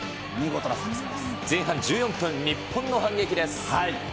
前半１４分、日本の反撃です。